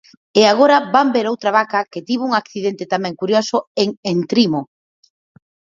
E agora van ver outra vaca que tivo un accidente tamén curioso en Entrimo.